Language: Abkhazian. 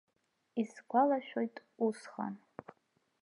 Исгәалашәоит, усҟан.